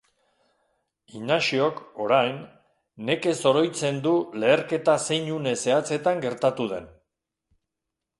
Inaxiok, orain, nekez oroitzen du leherketa zein une zehatzetan gertatu den.